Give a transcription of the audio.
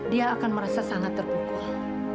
dia akan merasa sangat terpukul